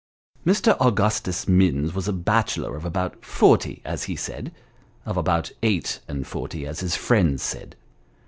MR. AUGUSTUS MINNS was a bachelor, of about forty as he said of about eight and forty as his friends said.